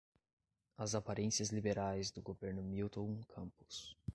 as aparências liberais do governo Milton Campos